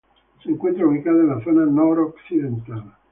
Se encuentra ubicada en la zona noroccidental.